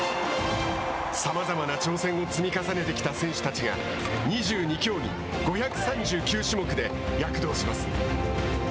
さまざまな挑戦を積み重ねてきた選手たちが２２競技、５３９種目で躍動します。